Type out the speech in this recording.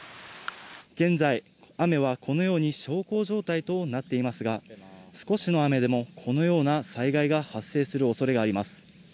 現在、雨はこのように小康状態となっていますが、少しの雨でもこのような災害が発生するおそれがあります。